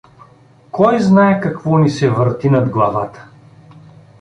— Кой знае какво ни се върти над главата.